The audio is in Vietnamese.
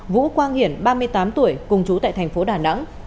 vũ quang hiển ba mươi tám tuổi cùng chú tại thành phố đà nẵng